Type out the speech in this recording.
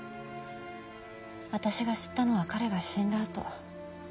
私が知ったのは彼が死んだあと。